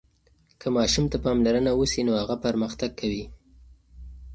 که ماشوم ته پاملرنه وسي نو هغه پرمختګ کوي.